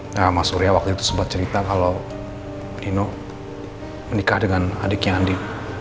nah mas surya waktu itu sempat cerita kalau nino menikah dengan adiknya andi